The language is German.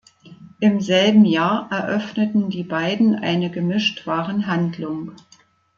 Im selben Jahr eröffneten die beiden eine Gemischtwarenhandlung.